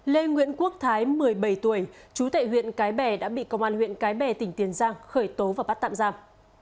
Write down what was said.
lê nguyễn quốc thái một mươi bảy tuổi chú tại huyện cái bè đã bị công an huyện cái bè tỉnh tiền giang khởi tố và bắt tạm giam